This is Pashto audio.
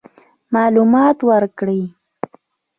معلومات ورکړي.